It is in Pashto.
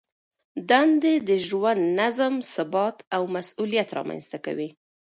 دندې د ژوند نظم، ثبات او مسؤلیت رامنځته کوي.